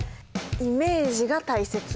イメージが大切。